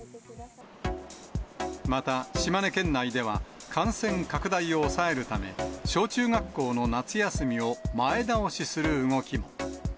また、島根県内では感染拡大を抑えるため、小中学校の夏休みを前倒しする動きも。